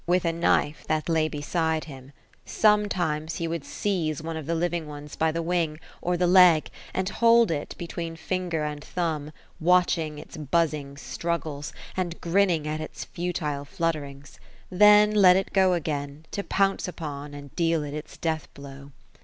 197 with a koife that lay beside him ; sometimes he would seize one of the living ones by the wing, or the leg, and hold it between finger and thumb, watching its buzzing struggles, and grinning at its futile flutter ings ; tlien let it go again, to pounce upon, and deal it its deatL blow.